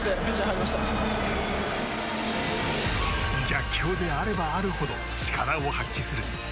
逆境であればあるほど力を発揮する。